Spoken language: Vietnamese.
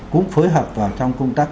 cũng phối hợp vào trong công tác